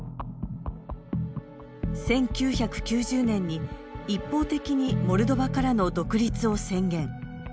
１９９０年に一方的にモルドバからの独立を宣言。